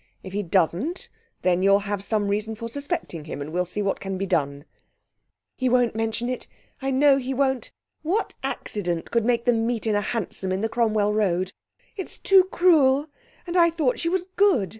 If he doesn't, then you'll have some reason for suspecting him, and we'll see what can be done.' 'He won't mention it I know he won't. What accident could make them meet in a hansom in the Cromwell Road? It's too cruel! And I thought she was good.